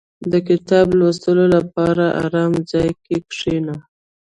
• د کتاب لوستلو لپاره آرام ځای کې کښېنه.